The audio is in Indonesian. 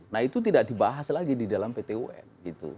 nah itu tidak dibahas lagi di dalam pt un gitu